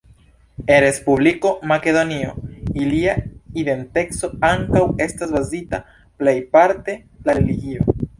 En Respubliko Makedonio ilia identeco ankaŭ estas bazita plejparte la religio.